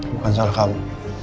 bukan salah kamu